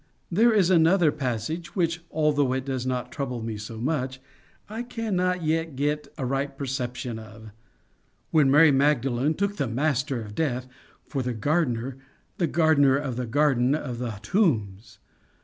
There is another passage, which, although it does not trouble me so much, I cannot yet get a right perception of. When Mary Magdalene took the Master of Death for the gardener the gardener of the garden of the tombs!